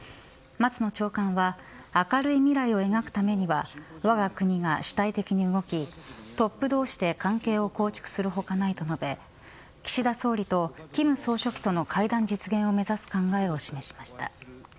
松野長官は明るい未来を描くためにはわが国が主体的に動きトップ同士で関係を構築する他ないと述べ岸田総理と金総書記との会談実現を目指す考えを示しました。